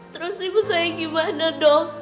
terus ibu saya gimana dong